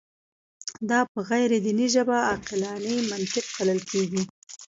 دا په غیر دیني ژبه عقلاني منطق بلل کېږي.